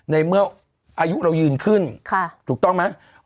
ในเมื่ออายุเรายืนขึ้นถูกต้องไหม